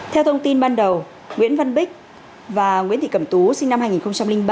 theo thông tin ban đầu nguyễn văn bích và nguyễn thị cẩm tú sinh năm hai nghìn ba